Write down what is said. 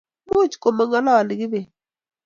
Much komangalali Kibet